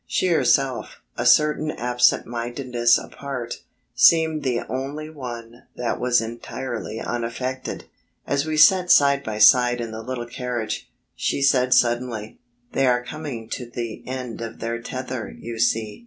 She herself, a certain absent mindedness apart, seemed the only one that was entirely unaffected. As we sat side by side in the little carriage, she said suddenly: "They are coming to the end of their tether, you see."